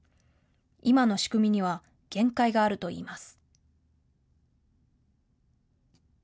今の仕組みには限界があるといいます。